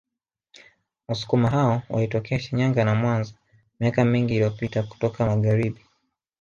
Wasukuma hao walitokea Shinyanga na Mwanza miaka mingi iliyopita kutoka Magharibi